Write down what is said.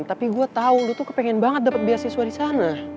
tapi gue tau lu tuh kepengen banget dapet beasiswa disana